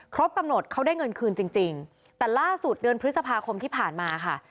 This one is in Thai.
กำหนดเขาได้เงินคืนจริงจริงแต่ล่าสุดเดือนพฤษภาคมที่ผ่านมาค่ะ